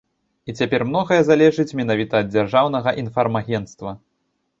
І цяпер многае залежыць менавіта ад дзяржаўнага інфармагенцтва.